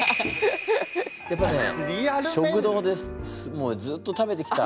やっぱりね食堂でずっと食べてきた。